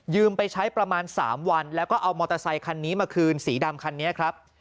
ไปใช้ประมาณ๓วันแล้วก็เอามอเตอร์ไซคันนี้มาคืนสีดำคันนี้ครับ